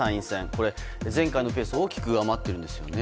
これ、前回のペースを大きく上回っているんですよね。